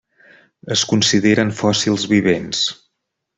Es consideren fòssils vivents.